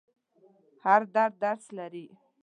هر درد درس لري.